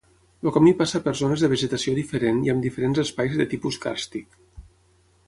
El camí passa per zones de vegetació diferent i amb diferents espais de tipus càrstic.